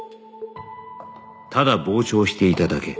ただ傍聴していただけ